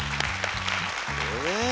え？